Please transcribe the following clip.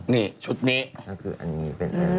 นี่ชุดนี้